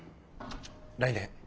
来年？